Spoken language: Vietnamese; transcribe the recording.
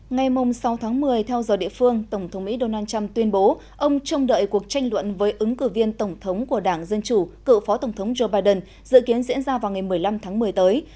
ngày sáu tháng một mươi theo giờ địa phương tổng thống mỹ donald trump tuyên bố ông trông đợi cuộc tranh luận với ứng cử viên tổng thống của đảng dân chủ cựu phó tổng thống joe biden dự kiến diễn ra vào ngày một mươi năm tháng một mươi tới